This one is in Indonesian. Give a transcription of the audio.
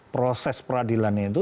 proses peradilan itu